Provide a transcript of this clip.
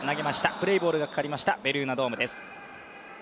プレーボールがかかりましたベルーナドームです。